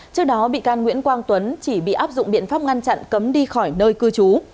trước đó bị can nguyễn quang tuấn chỉ bị áp dụng biện pháp ngăn chặn cấm đi khỏi nơi cư trú